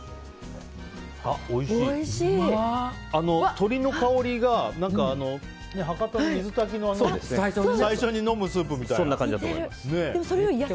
鶏の香りが博多の水炊きの最初に飲むスープみたいな。